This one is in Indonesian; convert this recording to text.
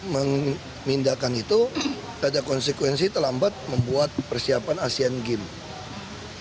memindahkan itu pada konsekuensi terlambat membuat persiapan asian games